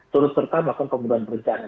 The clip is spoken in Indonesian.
turut serta melakukan pembunuhan berencana